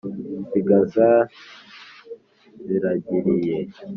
sigagaza ziragiriye